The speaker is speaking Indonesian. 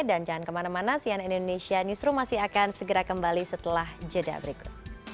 dan jangan kemana mana cnn indonesia newsroom masih akan segera kembali setelah jeda berikut